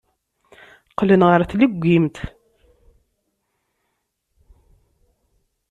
Qqlen ɣer tleggimt.